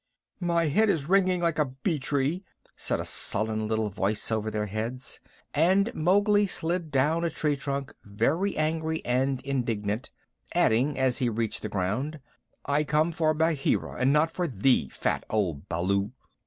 "My head is ringing like a bee tree," said a sullen little voice over their heads, and Mowgli slid down a tree trunk very angry and indignant, adding as he reached the ground: "I come for Bagheera and not for thee, fat old Baloo!"